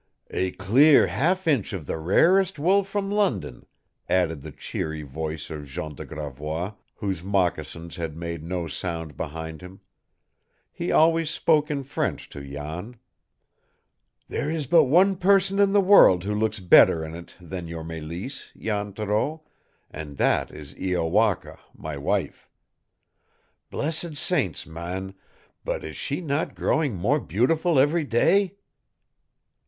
"A clear half inch of the rarest wool from London," added the cheery voice of Jean de Gravois, whose moccasins had made no sound behind him. He always spoke in French to Jan. "There is but one person in the world who looks better in it than your Mélisse, Jan Thoreau, and that is Iowaka, my wife. Blessed saints, man, but is she not growing more beautiful every day?"